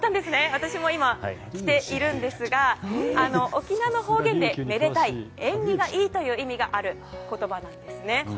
私も今着ているんですが沖縄の方言でめでたい、縁起がいいという意味がある言葉なんですね。